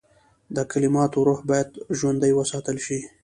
د کلماتو روح باید ژوندی وساتل شي.